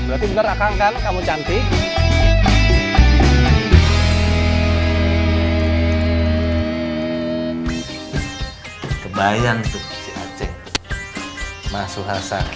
berarti bener akang kan kamu cantik